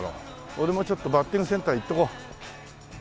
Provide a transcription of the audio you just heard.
俺もちょっとバッティングセンター行っとこう。